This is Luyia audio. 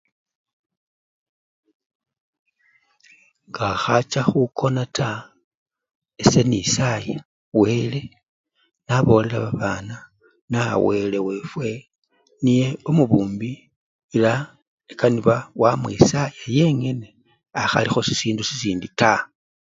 ngakhacha khukona taa, ese nisaya wele, nabolela babana naa wele wefwe niye umubumbi ela ikanibwa wamwisaya yengene akhalikho sisindu sisindi taa.